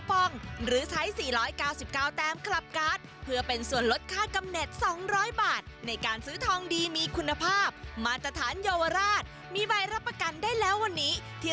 ตรงนี้คุณถ่ายกดให้คุณผู้ชมดูเลยดิ